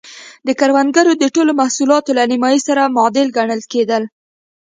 د کروندګرو د ټولو محصولاتو له نییمایي سره معادل ګڼل کېدل.